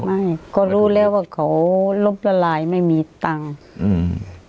ไม่ก็รู้แล้วว่าเขาลบละลายไม่มีตังค์อืม